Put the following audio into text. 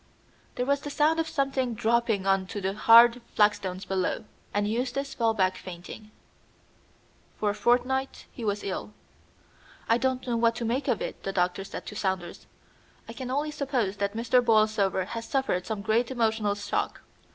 There was the sound of something dropping on to the hard flagstones below, and Eustace fell back fainting. For a fortnight he was ill. "I don't know what to make of it," the doctor said to Saunders. "I can only suppose that Mr. Borlsover has suffered some great emotional shock.